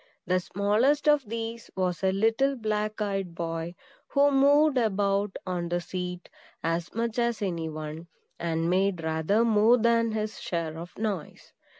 The smallest of these was a little black eyed boy, who moved about on the seat as much as any one, and made rather more than his share of noise.